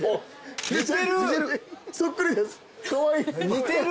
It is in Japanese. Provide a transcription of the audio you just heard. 似てる！